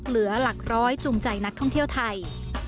เหลือหลักร้อยจูงใจนักท่องเที่ยวไทย